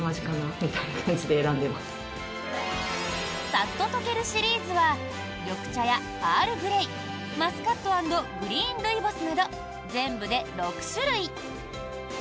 サッととけるシリーズは緑茶やアールグレイマスカット＆グリーンルイボスなど、全部で６種類。